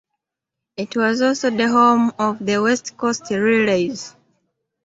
It was also the home of the West Coast Relays.